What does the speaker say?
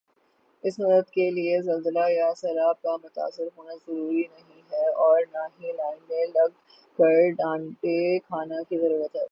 اس مدد کیلئے زلزلہ یا سیلاب کا متاثر ہونا ضروری نہیں ھے اور نہ ہی لائن میں لگ کر ڈانڈے کھانے کی ضرورت ھے